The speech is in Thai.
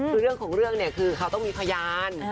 คือเรื่องของเรื่องเนี่ยคือเขาต้องมีพยาน